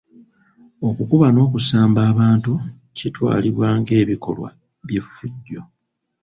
Okukuba n'okusamba abantu kitwalibwa ng'ebikolwa by'effujjo.